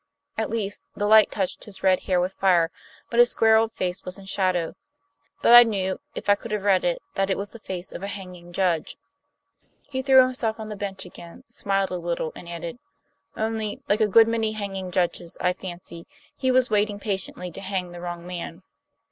At least, the light touched his red hair with fire, but his square old face was in shadow. But I knew, if I could have read it, that it was the face of a hanging judge." He threw himself on the bench again, smiled a little, and added: "Only, like a good many hanging judges, I fancy, he was waiting patiently to hang the wrong man."